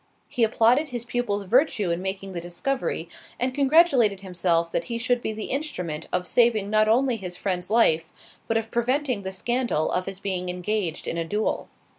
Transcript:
He applauded his pupil's virtue in making the discovery, and congratulated himself that he should be the instrument of saving not only his friend's life, but of preventing the scandal of his being engaged in a duel.